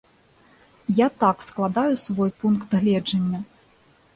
Я так складаю свой пункт гледжання.